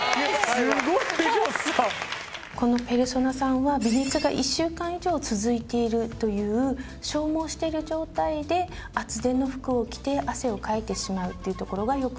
このペルソナさんは微熱が１週間以上続いているという消耗してる状態で厚手の服を着て汗をかいてしまうというところがよくないです。